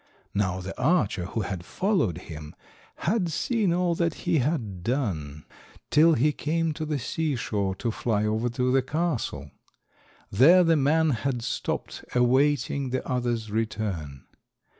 Now, the archer who had followed him had seen all that he had done till he came to the sea shore to fly over to the castle. There the man had stopped awaiting the other's return.